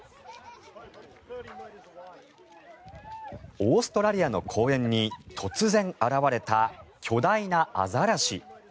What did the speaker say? オーストラリアの公園に突然現れた巨大なアザラシ。